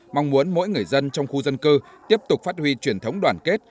mong muốn mỗi người dân trong khu dân cư tiếp tục phát huy truyền thống đoàn kết